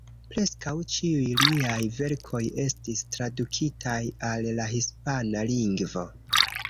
Preskaŭ ĉiuj liaj verkoj estis tradukitaj al la hispana lingvo.